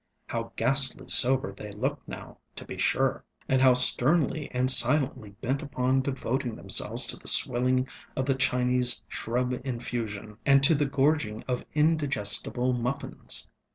How ghastly sober they looked now, to be sure! And how sternly and silently bent upon devoting themselves to the swilling of the Chinese shrub infusion and to the gorging of indigestible muffins.